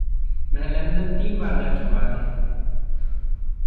वह लंदन तीन बार जा चुका है।